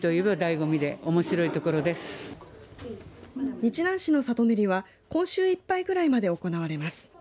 日南市のさとねりは今週いっぱいぐらいまで行われます。